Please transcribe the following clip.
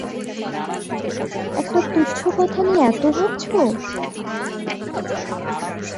একটা তুচ্ছ কথা নিয়ে এত ভাবছ?